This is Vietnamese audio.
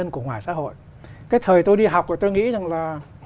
cái thời tôi đi học tôi nghĩ rằng là